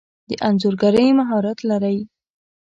د انځورګری مهارت لرئ؟